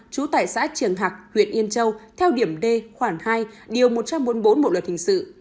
trú tại xã trường hạc huyện yên châu theo điểm d khoản hai điều một trăm bốn mươi bốn bộ luật hình sự